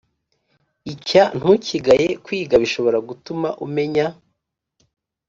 Icya Ntukigaye Kwiga bishobora gutuma umenya